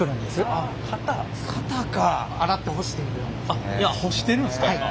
あっ干してるんですか今。